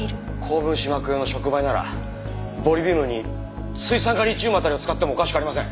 高分子膜用の触媒ならボリビウムに水酸化リチウム辺りを使ってもおかしくありません。